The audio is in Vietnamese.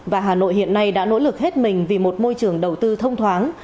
và hà nội hiện nay đã nỗ lực hết mình vì một môi trường đầu tư thông thoáng